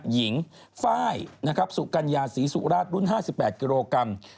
หญิงไฟล์นะครับสุกัญญาศรีสุราชรุ่น๕๘กิโลกรัม